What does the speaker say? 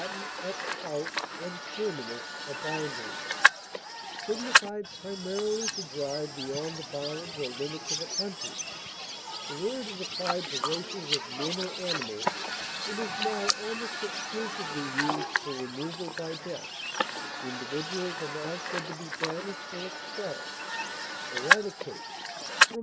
ex, out, and terminus, a boundary) signified primarily to drive beyond the bounds or limits of a country; the word is applied to races of men or animals, and is now almost exclusively used for removal by death; individuals are now said to be banished or expelled. Eradicate (L.